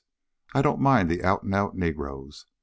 I don't mind the out and out negroes.